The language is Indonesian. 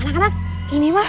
anak anak ini mah